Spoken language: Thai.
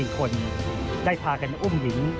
คนได้พากันอุ้มหญิง